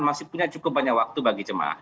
masih punya cukup banyak waktu bagi jemaah